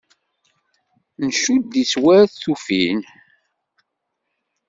Ncudd-itt war tuflin.